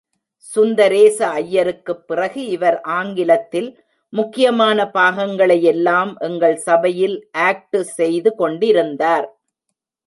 சுந்தரேச ஐயருக்குப் பிறகு இவர் ஆங்கிலத்தில் முக்கியமான பாகங்களை யெல்லாம் எங்கள் சபையில் ஆக்டு செய்து கொண்டிருந்தார்.